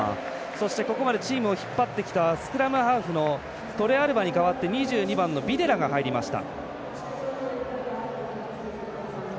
そして、ここまでチームを引っ張ってきたトレアルバに代わって、２２番のビデラが入りました。